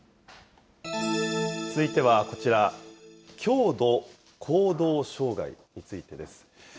続いてはこちら、強度行動障害についてです。